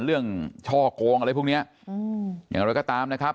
เรื่องช่อโกงอะไรพวกเนี่ยอย่างไรก็ตามนะครับ